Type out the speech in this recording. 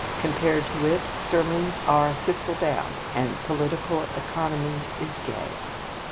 Compared to it, sermons are as thistle down, and political economy is gay.